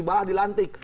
bah di lantik